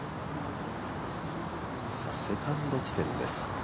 セカンド地点です。